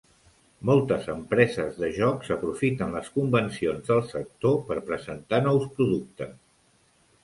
Moltes empreses de jocs aprofiten les convencions del sector per presentar nous productes.